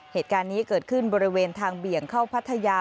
เหตุการณ์นี้เกิดขึ้นบริเวณทางเบี่ยงเข้าพัทยา